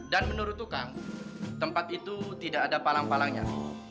dan menurut tukang tempat itu tidak ada pa'lang pa'langnya